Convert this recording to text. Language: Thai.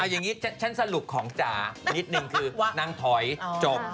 อย่างนี้ฉันสรุปของจ๋านิดนึงคือนางถอยจบ